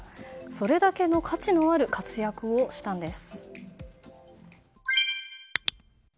それだけの価値のある活躍をしたんです。